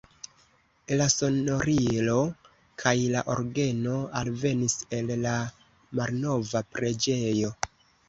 La sonorilo kaj la orgeno alvenis el la malnova preĝejo.